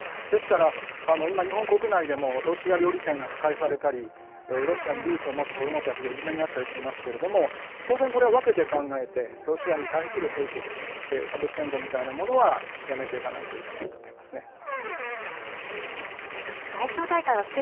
ですから、今、日本国内でもロシア料理店が破壊されたりロシアにルーツを持つ子どもたちがいじめに遭ったりしていますけれども当然これは分けて考えてロシアに対するヘイト差別というものはやめていかないといけないと思いますね。